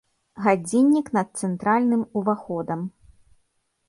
Гадзіннік над цэнтральным уваходам.